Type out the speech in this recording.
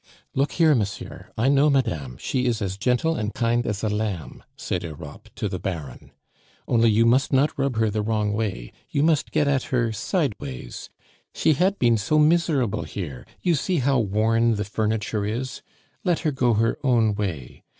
"Look her, monsieur, I know madame; she is as gentle and kind as a lamb," said Europe to the Baron. "Only you must not rub her the wrong way, you must get at her sideways she had been so miserable here. You see how worn the furniture is. Let her go her own way.